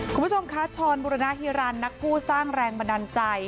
คุณผู้ชมคะช้อนบุรณฮิรันนักผู้สร้างแรงบันดาลใจ